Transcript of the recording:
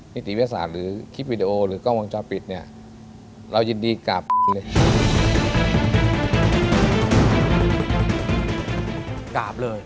ติวิทยาศาสตร์หรือคลิปวิดีโอหรือกล้องวงจรปิดเนี่ยเรายินดีกลับเลย